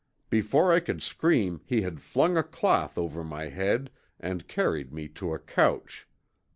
Before I could scream he had flung a cloth over my head and carried me to a couch.